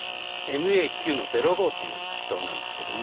ＮＡ９−０５という池溏なんですけども。